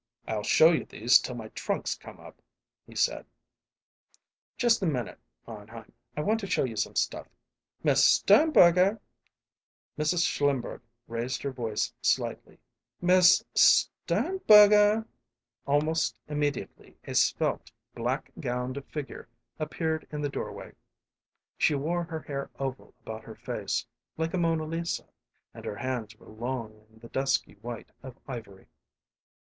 "I'll show you these till my trunks come up," he said. "Just a minute, Arnheim. I want to show you some stuff Miss Sternberger!" Mrs. Schlimberg raised her voice slightly, "Miss Sternberger!" Almost immediately a svelte, black gowned figure appeared in the doorway; she wore her hair oval about her face, like a Mona Lisa, and her hands were long and the dusky white of ivory. "Mr.